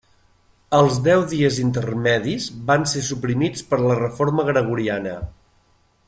Els deu dies intermedis van ser suprimits per la Reforma Gregoriana.